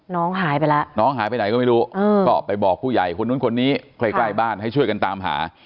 น้องหายไปแล้วน้องหายไปไหนก็ไม่รู้ก็ไปบอกผู้ใหญ่คนนู้นคนนี้ใกล้บ้านให้ช่วยกันตามหา